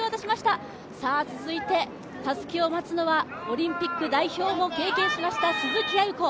続いて、たすきを待つのはオリンピック代表も経験しました鈴木亜由子。